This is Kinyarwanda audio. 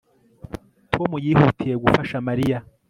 Tom yihutiye gufasha Mariya